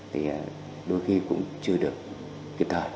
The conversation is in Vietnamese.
thì đôi khi cũng chưa được kịp thời